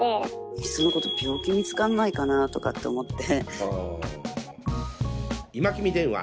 いっそのこと病気見つかんないかなとかって思って。